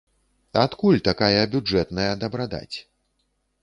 Адкуль такая бюджэтная дабрадаць?